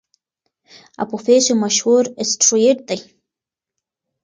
اپوفیس یو مشهور اسټروېډ دی.